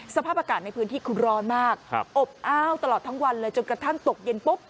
สภาพอากาศในพื้นที่คือร้อนมากอบอ้าวตลอดทั้งวันเลยจนกระทั่งตกเย็นปุ๊บ